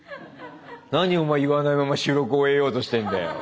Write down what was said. なにお前言わないまま収録終えようとしてんだよ。